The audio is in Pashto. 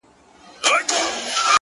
o خلگو شتنۍ د ټول جهان څخه راټولي كړې ـ